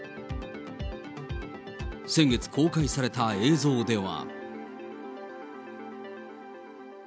先月公開された映像では。